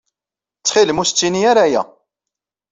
Ttxil-m, ur as-ttini ara aya.